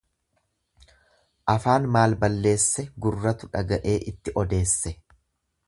Afaan maal balleesse gurratu dhaga'ee itti odeesse.